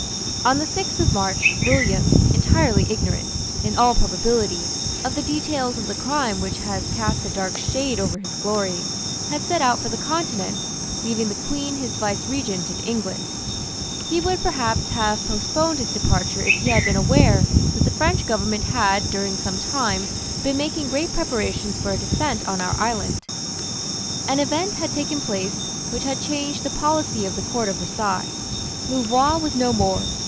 On the sixth of March, William, entirely ignorant, in all probability, of the details of the crime which has cast a dark shade over his glory, had set out for the Continent, leaving the Queen his viceregent in England. He would perhaps have postponed his departure if he had been aware that the French Government had, during some time, been making great preparations for a descent on our island. An event had taken place which had changed the policy of the Court of Versailles. Louvois was no more.